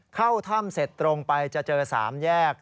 เข้าถ้ำเสร็จตรงไปจะเจอ๓แยก